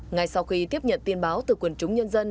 ngay sau khi tiếp nhận tin báo từ quần chúng nhân dân